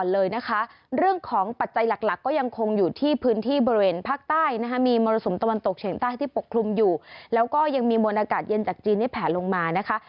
แล้วก็ยังมีมนตร์อากาศเย็นจากจีนให้แผนลงมานะคะ